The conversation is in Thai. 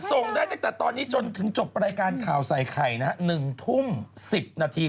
ส่งได้ตั้งแต่ตอนนี้จนถึงจบรายการข่าวใส่ไข่นะฮะ๑ทุ่ม๑๐นาที